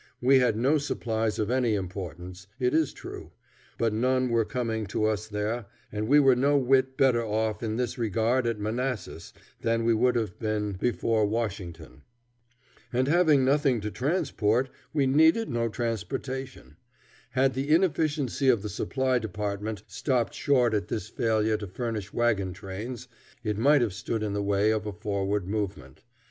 We had no supplies of any importance, it is true, but none were coming to us there, and we were no whit better off in this regard at Manassas than we would have been before Washington. And having nothing to transport, we needed no transportation. Had the inefficiency of the supply department stopped short at its failure to furnish wagon trains, it might have stood in the way of a forward movement.